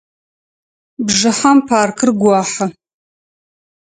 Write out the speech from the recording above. Бжыхьэм паркыр гохьы.